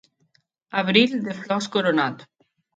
Abril, de flors coronat